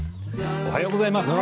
おはようございます。